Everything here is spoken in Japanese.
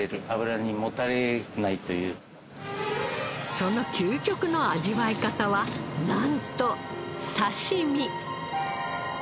その究極の味わい方はなんと刺身。